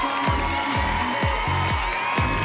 กลับมาเวลาที่